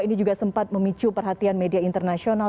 ini juga sempat memicu perhatian media internasional